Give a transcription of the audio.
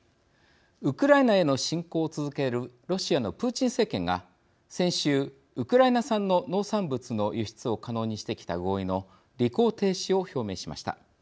ウクライナへの侵攻を続けるロシアのプーチン政権が先週ウクライナ産の農産物の輸出を可能にしてきた合意の履行停止を表明しました。